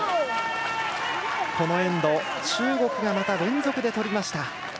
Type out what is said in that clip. このエンド中国が連続で取りました。